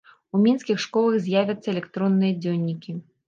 У мінскіх школах з'явяцца электронныя дзённікі.